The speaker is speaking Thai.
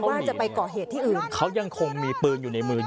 โอเคว่าจะไปเกาะเหตุที่อื่น